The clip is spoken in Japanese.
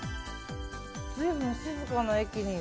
随分、静かな駅に。